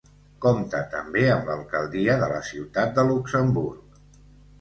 Compta també amb l'alcaldia de la Ciutat de Luxemburg.